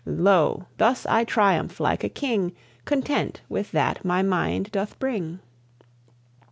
Lo, thus I triumph like a king, Content with that my mind doth bring.